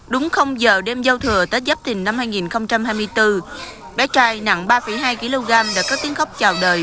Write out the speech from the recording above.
đúng không giờ đêm gia thừa tết giáp thìn năm hai nghìn hai mươi bốn bé trai nặng ba hai kg đã cất tiếng khóc chào đời